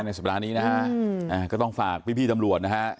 ในสัปดาห์นี้นะฮะก็ต้องฝากพี่ตำรวจนะฮะ